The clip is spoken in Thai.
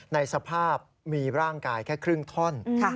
ในสภาพมีร่างกายแค่ครึ่งท่อน